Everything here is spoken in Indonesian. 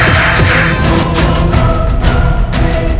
dengan pedang satan ini